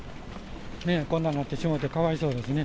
こんなになってしまってかわいそうですね。